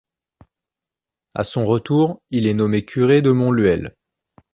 À son retour, il est nommé curé de Montluel.